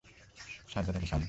Sajjad Ali Khan.